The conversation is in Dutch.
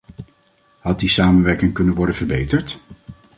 Had die samenwerking kunnen worden verbeterd?